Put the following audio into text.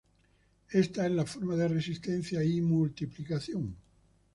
Esta es la forma de resistencia y multiplicación.